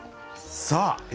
さあ